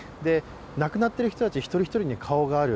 亡くなっている人たち、一人一人に顔がある。